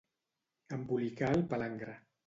Embolicar el palangre.